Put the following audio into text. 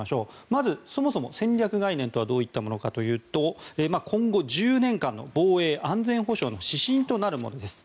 まず、そもそも戦略概念とはどういったものかというと今後、１０年間の防衛・安全保障の指針となるものです。